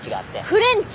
フレンチ？